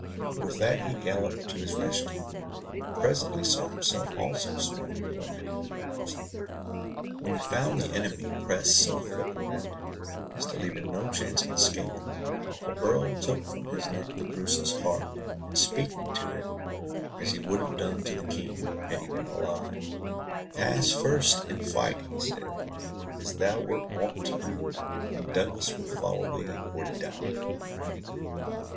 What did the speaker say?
With that he galloped to his rescue, but presently was himself also surrounded by many Moors. When he found the enemy press so thick round him, as to leave him no chance of escaping, the Earl took from his neck the Bruce's heart, and speaking to it, as he would have done to the King, had he been alive "Pass first in fight," he said, "as thou wert wont to do, and Douglas will follow thee, or die."